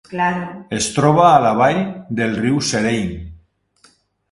Es troba a la vall del riu Serein.